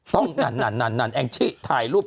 ต้องนันแอ้งที่ถ่ายรูป